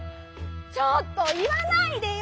ちょっといわないでよ！